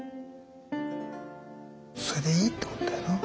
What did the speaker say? それでいいってことだよな。